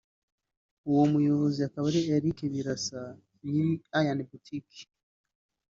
uwo muyobozi akaba ari Eric Birasa nyiri Ian Boutique